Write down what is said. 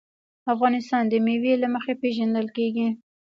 افغانستان د مېوې له مخې پېژندل کېږي.